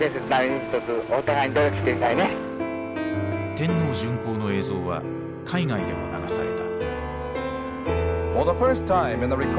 天皇巡幸の映像は海外でも流された。